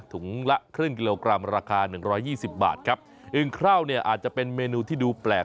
ถุงละครึ่งกิโลกรัมราคาหนึ่งร้อยยี่สิบบาทครับอึงเคราวเนี่ยอาจจะเป็นเมนูที่ดูแปลก